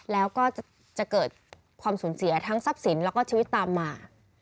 แล้วก็จะเกิดความสูญเสียทั้งทรัพย์สินแล้วก็ชีวิตตามมา